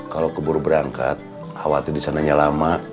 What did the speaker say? kalau keburu berangkat khawatir disananya lama